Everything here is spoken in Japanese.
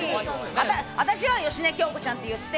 私は芳根京子ちゃんって言って。